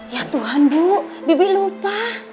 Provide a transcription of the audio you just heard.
ya tuhan bu bibi lupa